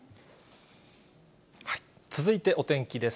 続いてお天気です。